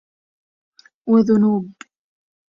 وذنوب.